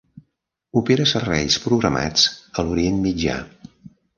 Opera serveis programats a l'Orient Mitjà.